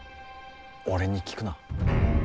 俺に聞くな。